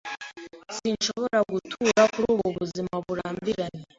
Sinshobora gutura kuri ubu buzima burambiranye.